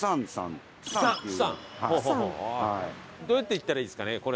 どうやって行ったらいいですかね？